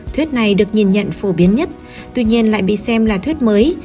thuyết này được nhìn nhận phổ biến nhất tuy nhiên lại bị xem là thuyết mới